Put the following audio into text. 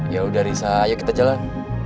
yaudah risa ayo kita jalan